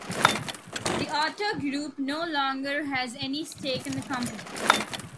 The Otto Group no longer has any stake in the company.